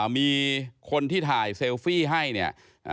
มีคนที่ถ่ายเซลฟี่ให้เนี่ย